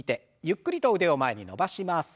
ゆっくりと腕を前に伸ばします。